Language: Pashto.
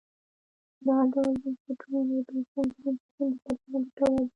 دا ډول بنسټونه د زبېښونکو بنسټونو په پرتله ګټور دي.